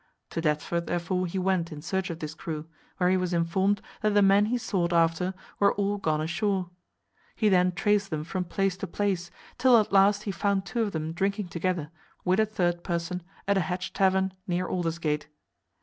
To Deptford therefore he went in search of this crew, where he was informed that the men he sought after were all gone ashore. He then traced them from place to place, till at last he found two of them drinking together, with a third person, at a hedge tavern near Aldersgate.